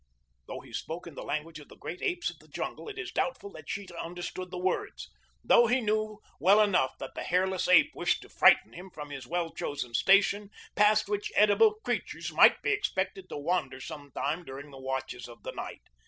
Though he spoke in the language of the great apes of the jungle, it is doubtful that Sheeta understood the words, though he knew well enough that the hairless ape wished to frighten him from his well chosen station past which edible creatures might be expected to wander sometime during the watches of the night.